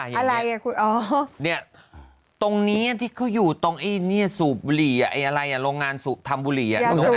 เนี้ยตรงนี้ที่เขาอยู่ตรงอี้เนี้ยสูบบุหรี่อะไรละลงงานทำบุหรี่